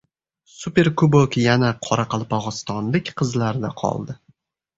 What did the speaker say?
Superkubok yana qoraqalpog‘istonlik qizlarda qoldi